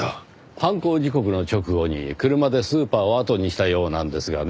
犯行時刻の直後に車でスーパーをあとにしたようなんですがね。